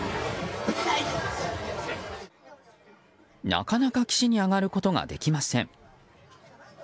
なかなか岸に上がることができません。